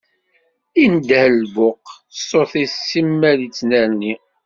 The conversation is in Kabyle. Indeh lbuq, ṣṣut-is simmal ittnerni.